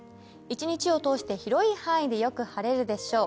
一日を通して広い範囲でよく晴れるでしょう。